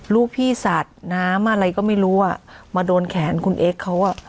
ลูกพี่สาดน้ำอะไรก็ไม่รู้อ่ะมาโดนแขนคุณเอ็กซ์เขาอ่ะ